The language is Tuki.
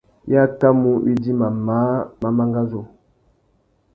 I akamú widjima māh má mangazú.